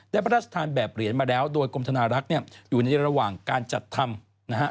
พระราชทานแบบเหรียญมาแล้วโดยกรมธนารักษ์เนี่ยอยู่ในระหว่างการจัดทำนะฮะ